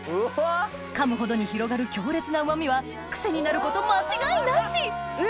噛むほどに広がる強烈なうま味はクセになること間違いなし！